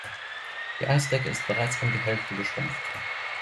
Die Eisdecke ist bereits um die Hälfte geschrumpft.